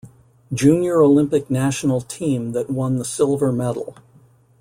Junior Olympic National Team that won the silver medal.